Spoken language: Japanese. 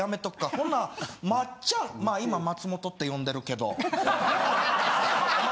ほな松ちゃんまあ今松本って呼んでるけど」。